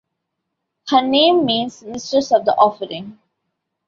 Her name means "mistress of the offering".